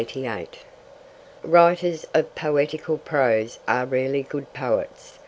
Writers of poetical prose are rarely good poets.